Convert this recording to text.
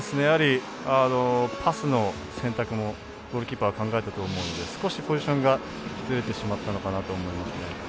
やはり、パスの選択もゴールキーパーは考えたと思うので少しポジションがずれてしまったのかなと思います。